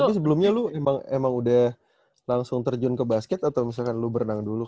tapi sebelumnya lu emang udah langsung terjun ke basket atau misalkan lo berenang dulu